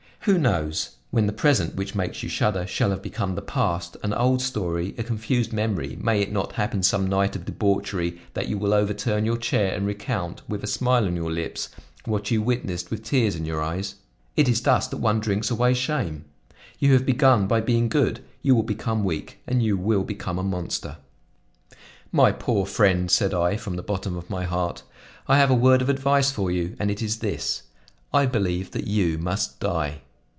Who knows? When the present, which makes you shudder, shall have become the past, an old story, a confused memory, may it not happen some night of debauchery that you will overturn your chair and recount, with a smile on your lips, what you witnessed with tears in your eyes? It is thus that one drinks away shame. You have begun by being good, you will become weak, and you will become a monster. "My poor friend," said I, from the bottom of my heart, "I have a word of advice for you, and it is this: I believe that you must die.